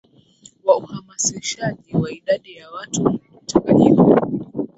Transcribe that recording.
wa uhamasishaji wa idadi ya watu mchanganyiko